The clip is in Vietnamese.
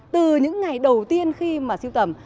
từ những ngày đầu tiên khi mà siêu tầm